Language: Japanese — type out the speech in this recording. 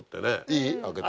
いい？開けて。